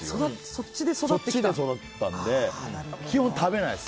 そっちで育ったので基本、食べないです。